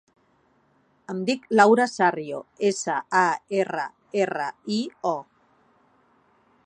Em dic Laura Sarrio: essa, a, erra, erra, i, o.